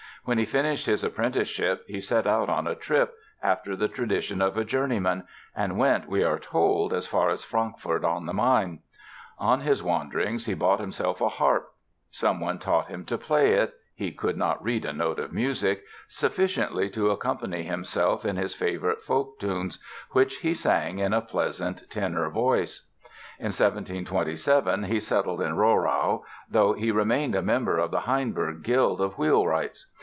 When he finished his apprenticeship he set out on a trip, after the tradition of a journeyman, and went, we are told, as far as Frankfurt on the Main. On his wanderings he bought himself a harp. Someone taught him to play it (he could not read a note of music) sufficiently to accompany himself in his favorite folk tunes, which he sang "in a pleasant tenor voice". In 1727 he settled in Rohrau, though he remained a member of the Hainburg guild of wheel wrights.